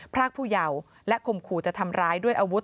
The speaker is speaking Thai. พรากผู้เยาว์และข่มขู่จะทำร้ายด้วยอาวุธ